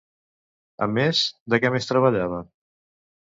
A més, de què més treballava?